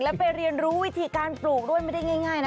แล้วไปเรียนรู้วิธีการปลูกด้วยไม่ได้ง่ายนะ